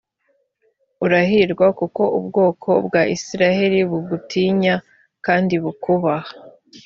urahirwa kuko ubwoko bwa isirayeli bugutinya kandi bukubaha